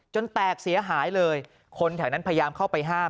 แตกเสียหายเลยคนแถวนั้นพยายามเข้าไปห้าม